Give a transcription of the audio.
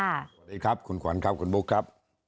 สวัสดีครับคุณขวัญครับคุณบุ๊คครับ